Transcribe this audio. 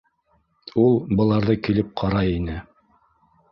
Ул быларҙы килеп ҡарай ине.